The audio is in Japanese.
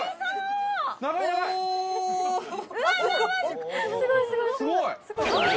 すごい。